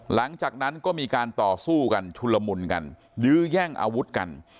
หลังจากนั้นก็มีการต่อสู้กันชุลมุนกันยื้อแย่งอาวุธกัน